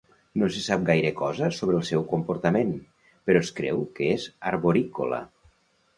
No se sap gaire cosa sobre el seu comportament, però es creu que és arborícola.